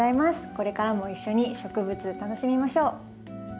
これからも一緒に植物楽しみましょう。